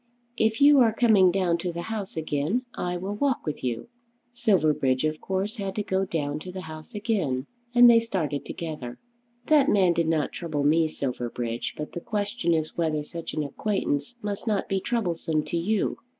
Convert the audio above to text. If you are coming down to the House again I will walk with you." Silverbridge of course had to go down to the House again, and they started together. "That man did not trouble me, Silverbridge; but the question is whether such an acquaintance must not be troublesome to you."